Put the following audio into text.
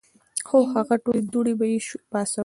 خو هغه ټولې دوړې به ئې پاڅولې ـ